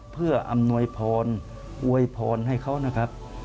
เพื่ออำนวยพรอวยพรให้เขานะครับ